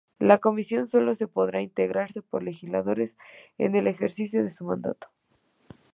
La Comisión sólo podrá integrarse por legisladores en el ejercicio de su mandato.